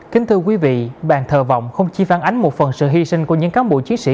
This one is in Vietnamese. kính thưa quý vị bàn thờ vọng không chỉ phản ánh một phần sự hy sinh của những cán bộ chiến sĩ